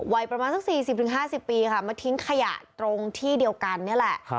วัยประมาณสัก๔๐๕๐ปีค่ะมาทิ้งขยะตรงที่เดียวกันนี่แหละ